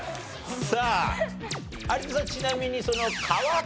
さあ有田さんちなみにその皮か？